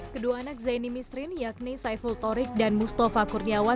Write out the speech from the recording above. kedua anak zaini misrin yakni saiful torik dan mustafa kurniawan